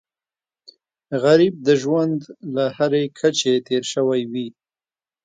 غریب د ژوند له هرې کچې تېر شوی وي